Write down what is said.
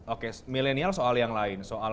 oke milenial soal yang lain soal